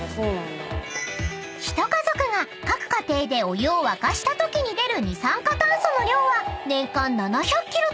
［１家族が各家庭でお湯を沸かしたときに出る二酸化炭素の量は年間７００ｋｇともいわれ］